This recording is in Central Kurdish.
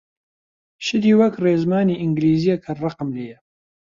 شتی وەک ڕێزمانی ئینگلیزییە کە ڕقم لێیە!